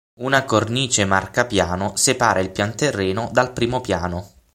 Una cornice marcapiano separa il pianterreno dal primo piano.